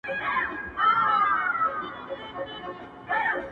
o غوټه چي په لاس خلاصېږي، غاښ ته څه حاجت دئ؟